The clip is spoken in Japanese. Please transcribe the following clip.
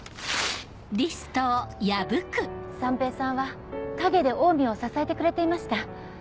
三瓶さんは陰でオウミを支えてくれていました。